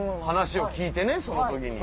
話を聞いてねその時に。